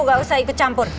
nggak usah ikut campur